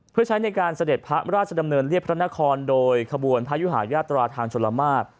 เพื่อใช้ในการเสด็จพระราชดำเนินเรียบพระนครโดยขบวนพระยุหาญาตราทางชลมาก